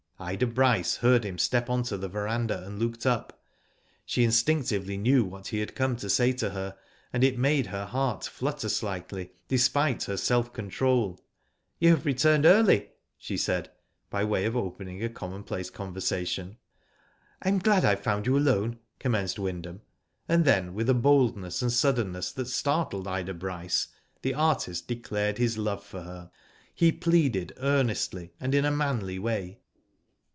Ida Bryce heard him step on to the verandah, and looked up. She instinctively knew what he had come to say to her, and it made her heart flutter slightly, despite her self control. •*You have returned early,*' she said, by way of opening a commonplace conversation. " I am glad I have found you alone,'* com menced Wyndham, and then with a boldness and suddenness that startled Ida Bryce, the artist declared his love for her. He pleaded earnestly, and in a manly way.